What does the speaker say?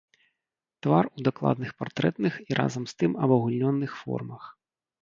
Твар у дакладных партрэтных і разам з тым абагульненых формах.